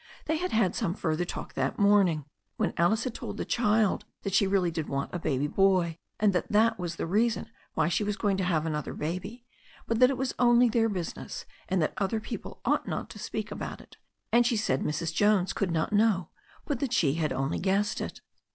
They had had some further talk that morning, when Alice had told the child that she really did want a baby boy, and that that was the reason why she was going to have another baby, but that it was only their business and that other people ought not to talk about it, and she said Mrs. Jones could not know it, but that she had only guessed it.